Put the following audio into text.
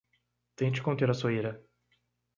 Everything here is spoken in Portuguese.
Tente conter a sua ira